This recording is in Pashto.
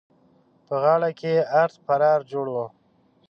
په غاړه کې يې ارت پرار جوړ وو.